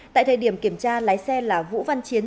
tại thời điểm kiểm tra lái xe là vũ văn chiến